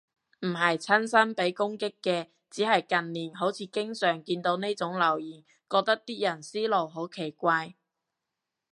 唔係親身被攻擊嘅，只係近年好似經常見到呢種留言，覺得啲人思路好奇怪